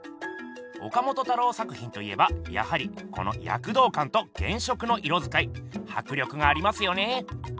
岡本太郎作品と言えばやはりこのやくどうかんと原色の色づかいはく力がありますよね。